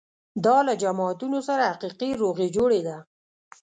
دا له جماعتونو سره حقیقي روغې جوړې ده.